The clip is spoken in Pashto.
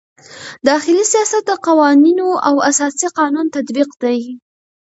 داخلي سیاست د قوانینو او اساسي قانون تطبیق دی.